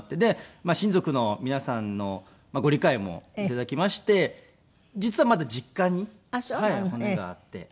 まあ親族の皆さんのご理解も頂きまして実はまだ実家に骨があって。